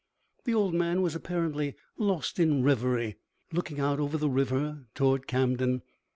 The old man was apparently lost in revery, looking out over the river toward Camden.